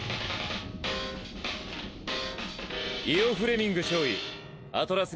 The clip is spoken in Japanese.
イオ・フレミング少尉アトラス